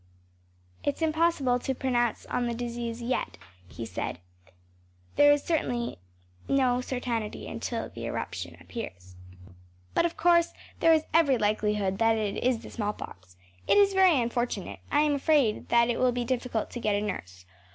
“It’s impossible to pronounce on the disease yet,‚ÄĚ he said. “There is no certainty until the eruption appears. But, of course, there is every likelihood that it is the smallpox. It is very unfortunate. I am afraid that it will be difficult to get a nurse.